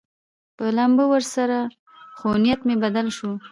په لامبو ورسوم، خو نیت مې بدل شو.